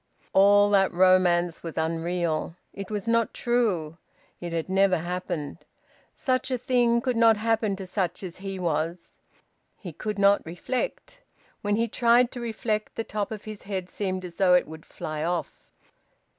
All that romance was unreal; it was not true; it had never happened. Such a thing could not happen to such as he was... He could not reflect. When he tried to reflect, the top of his head seemed as though it would fly off...